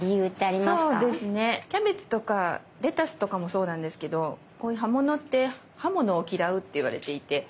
キャベツとかレタスとかもそうなんですけどこういう葉物って刃物を嫌うっていわれていて。